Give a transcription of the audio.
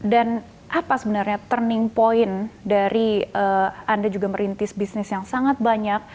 dan apa sebenarnya turning point dari anda juga merintis bisnis yang sangat banyak